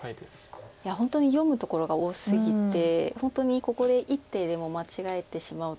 いや本当に読むところが多すぎて本当にここで一手でも間違えてしまうと。